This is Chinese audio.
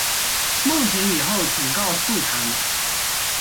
梦醒以后请告诉他们